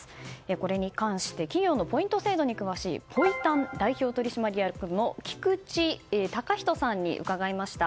これに関して企業のポイント制度に詳しいポイ探代表取締役の菊地崇仁さんに伺いました。